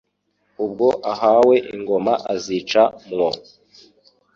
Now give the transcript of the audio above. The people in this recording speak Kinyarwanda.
Ubwo ahawe ingoma azica mwo.